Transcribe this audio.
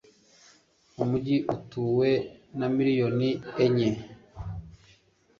Umujyi utuwe na miliyoni enye